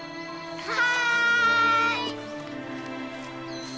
はい！